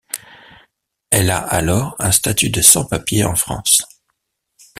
Elle a alors un statut de sans-papiers en France.